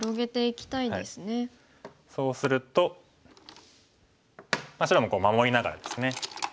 そうすると白も守りながらですね